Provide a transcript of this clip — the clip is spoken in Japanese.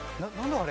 あれ。